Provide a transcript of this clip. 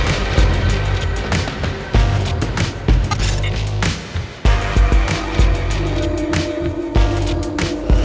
แล้วก็ต้องบอกคุณผู้ชมนั้นจะได้ฟังในการรับชมด้วยนะครับเป็นความเชื่อส่วนบุคคล